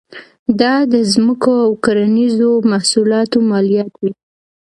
دا د ځمکو او کرنیزو محصولاتو مالیات وې.